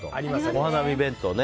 お花見弁当ね。